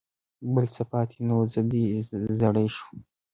بل څه پاتې نه و، زه دوه زړی شوم.